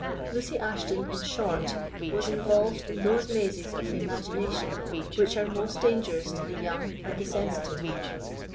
Lucy Ashton, in short, was involved in those mazes of the imagination which are most dangerous to the young and the sensitive.